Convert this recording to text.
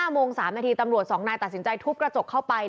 โมง๓นาทีตำรวจ๒นายตัดสินใจทุบกระจกเข้าไป